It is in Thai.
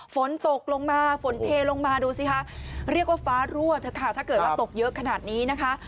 ฝนตกลงมาฝนเทลงมาดูสิคะเรียกว่าฟ้ารั่วเถอะค่ะถ้าเกิดว่าตกเยอะขนาดนี้นะคะ